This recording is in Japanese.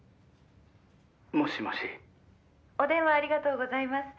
「もしもし」「お電話ありがとうございます」